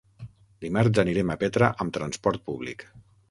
Dimarts anirem a Petra amb transport públic.